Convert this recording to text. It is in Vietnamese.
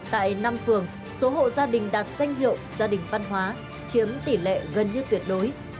tại năm phường số hộ gia đình đạt danh hiệu gia đình văn hóa chiếm tỷ lệ gần như tuyệt đối